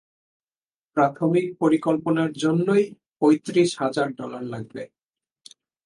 প্রাথমিক পরিকল্পনার জন্যই পঁয়ত্রিশ হাজার ডলার লাগবে।